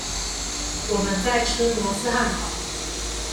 我們在吃摩斯漢堡